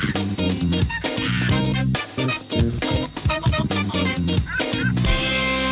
โปรดติดตามตอนต่อไป